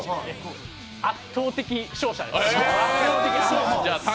圧倒的勝者です。